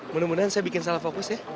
mudah mudahan saya bikin salah fokus ya